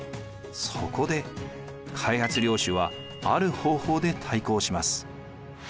そこで開発領主はある方法で対抗します。